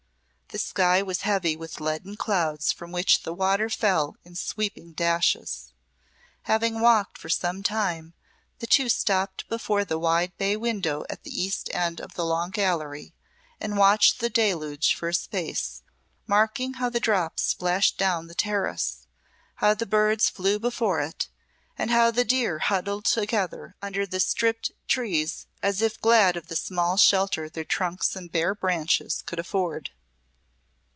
The sky was heavy with leaden clouds from which the water fell in sweeping dashes. Having walked for some time, the two stopped before the wide bay window at the east end of the Long Gallery and watched the deluge for a space, marking how the drops splashed upon the terrace, how the birds flew before it, and how the deer huddled together under the stripped trees as if glad of the small shelter their trunks and bare branches could afford.